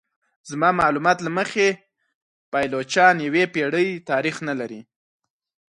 زما معلومات له مخې پایلوچان یوې پیړۍ تاریخ نه لري.